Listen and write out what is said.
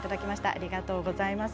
ありがとうございます。